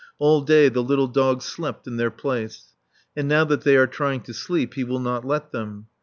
All day the little dog slept in their place. And now that they are trying to sleep he will not let them.